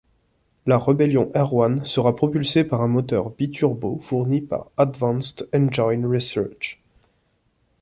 La Rebellion R-One sera propulsé par un moteur bi-turbo fourni par Advanced Engine Research.